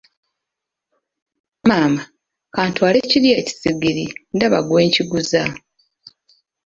Maama, ka ntwale kiri ekisigiri , ndaba ggwe nkiguza.